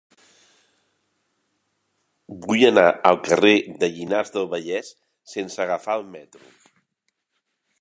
Vull anar al carrer de Llinars del Vallès sense agafar el metro.